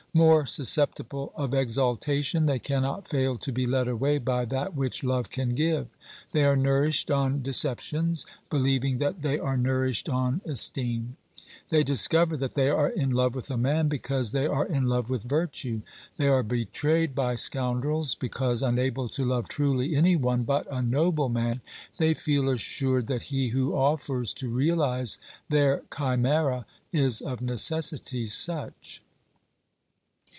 More susceptible of exaltation, they cannot fail to be led away by that which love can give. They are nourished on decep tions, believing that they are nourished on esteem ; they discover that they are in love with a man, because they are in love with virtue ; they are betrayed by scoundrels, because, unable to love truly any one but a noble man, they feel assured that he who offers to realise their chimera is of necessity such.